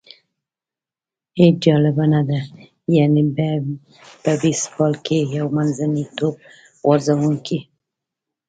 هېڅ جالبه نه ده، یعنې په بېسبال کې یو منځنی توپ غورځوونکی.